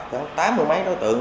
tám mươi mấy đối tượng